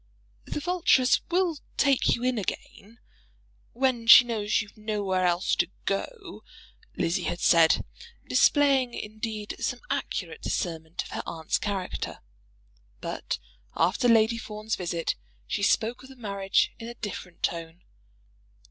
"The Vulturess will take you in again, when she knows you've nowhere else to go," Lizzie had said, displaying, indeed, some accurate discernment of her aunt's character. But after Lady Fawn's visit she spoke of the marriage in a different tone.